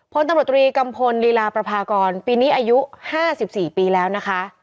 ผลตำรวจตรีกำพลลีลาปราภาคอนปีนี้อายุห้าสิบสี่ปีแล้วนะคะ